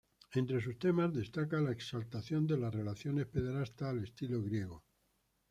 Entre sus temas destaca la exaltación de las relaciones pederastas al estilo griego.